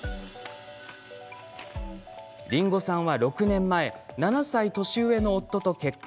りんごさんは６年前７歳年上の夫と結婚。